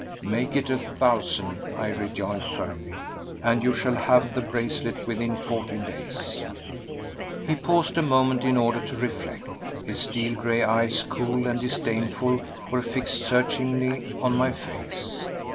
"Make it a thousand," I rejoined firmly, "and you shall have the bracelet within fourteen days." He paused a moment in order to reflect; his steel grey eyes, cool and disdainful, were fixed searchingly on my face.